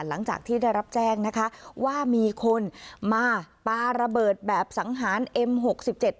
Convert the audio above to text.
หลังจากที่ได้รับแจ้งนะคะว่ามีคนมาปลาระเบิดแบบสังหารเอ็มหกสิบเจ็ด